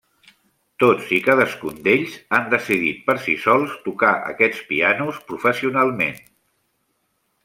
Tots i cadascun d'ells han decidit per si sols tocar aquests pianos professionalment.